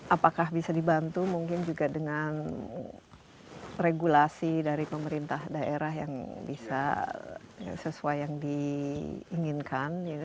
apakah bisa dibantu mungkin juga dengan regulasi dari pemerintah daerah yang bisa sesuai yang diinginkan